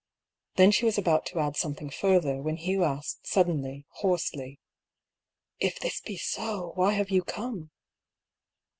Then she was about to add something further, when Hugh asked, suddenly, hoarsely :" If this be so, why have you come